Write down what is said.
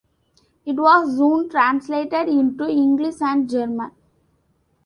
It was soon translated into English and German.